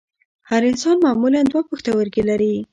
هر انسان معمولاً دوه پښتورګي لري